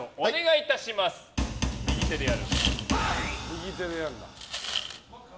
右手でやるんだ。